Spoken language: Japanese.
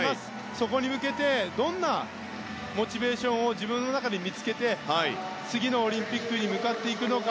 そこに向けてどんなモチベーションを自分の中で見つけて次のオリンピックに向かっていくのか。